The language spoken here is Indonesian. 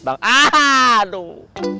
bang aha aduh